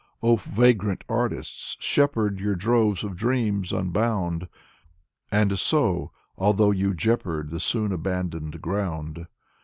Oh, vagrant artists, shepherd Your droves of dreams unbound ; And sow, although you jeopard ^he soon abandoned ground.